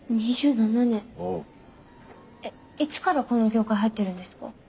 えっいつからこの業界入ってるんですか？